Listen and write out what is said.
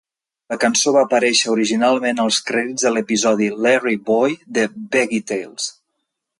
La cançó va aparèixer originalment als crèdits de l'episodi "Larry-Boy!" de "VeggieTales"